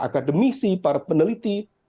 akademisi para peneliti